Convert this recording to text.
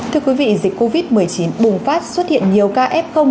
thưa quý vị dịch covid một mươi chín bùng phát xuất hiện nhiều ca ép không